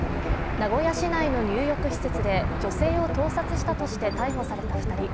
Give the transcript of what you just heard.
名古屋市内の入浴施設で女性を盗撮したとして逮捕された２人。